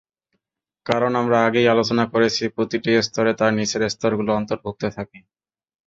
কারণ, আমরা আগেই আলোচনা করেছি, প্রতিটি স্তরে তার নিচের স্তরগুলো অন্তর্ভুক্ত থাকে।